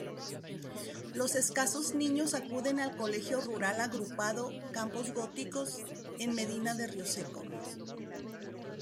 Los escasos niños acuden al Colegio Rural Agrupado Campos Góticos, en Medina de Rioseco.